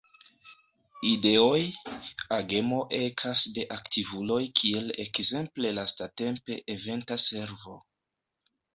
Ideoj, agemo ekas de aktivuloj kiel ekzemple lastatempe Eventa Servo.